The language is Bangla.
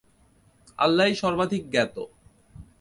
আল্লাহই সর্বাধিক জ্ঞাত।